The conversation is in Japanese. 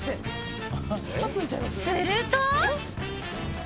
すると。